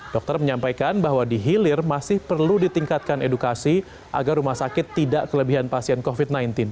dokter menyampaikan bahwa di hilir masih perlu ditingkatkan edukasi agar rumah sakit tidak kelebihan pasien covid sembilan belas